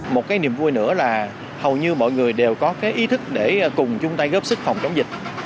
một cái niềm vui nữa là hầu như mọi người đều có cái ý thức để cùng chung tay góp sức phòng chống dịch